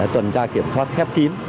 tuần tra kiểm soát khép kín